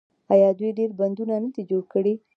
آیا دوی ډیر بندونه نه دي جوړ کړي؟